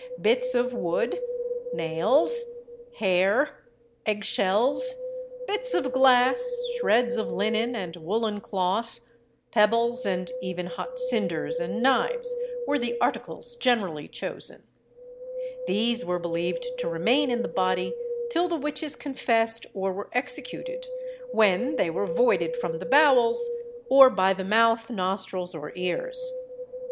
Bits of wood, nails, hair, egg shells, bits of glass, shreds of linen and woollen cloth, pebbles, and even hot cinders and knives, were the articles generally chosen. These were believed to remain in the body till the witches confessed or were executed, when they were voided from the bowels, or by the mouth, nostrils, or ears.